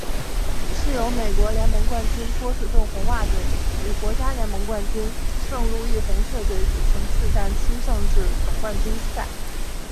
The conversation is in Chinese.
是由美国联盟冠军波士顿红袜队与国家联盟冠军圣路易红雀队举行七战四胜制总冠军赛。